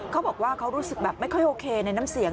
เขาบอกว่าเขารู้สึกแบบไม่ค่อยโอเคในน้ำเสียง